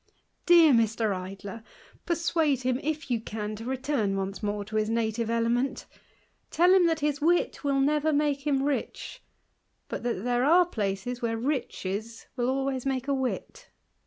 Dear Mr. Idler, persuade him, if you can, to 'ctom once more to his native element Tell him that his wit will never make him rich, but that there are places where riches will always make a wit.